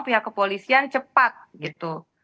pihak kepolisian cepat gitu